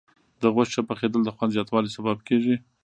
د غوښې ښه پخېدل د خوند زیاتوالي سبب کېږي.